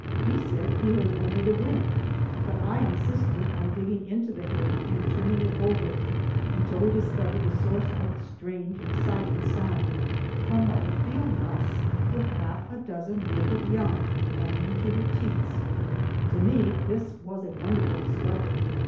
He said he heard only the wind, but I insisted on digging into the hay and turning it over until we discovered the source of the strange exciting sound,—a mother field mouse with half a dozen naked young hanging to her teats. This to me was a wonderful discovery.